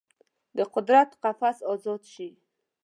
د قدرت قفس ازاد شي